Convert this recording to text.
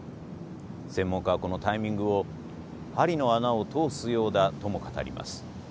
専門家はこのタイミングを針の穴を通すようだとも語ります。